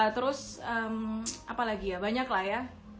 terus apalagi ya banyak lah ya